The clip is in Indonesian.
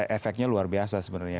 efeknya luar biasa sebenarnya